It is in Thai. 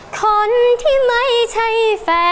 คนที่ไม่ใช่แฟน